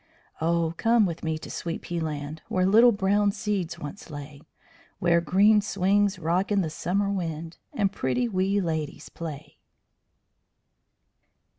Oh, come with me to Sweet pea Land, Where little brown seeds once lay; Where green swings rock in the summer wind. And pretty wee ladies play.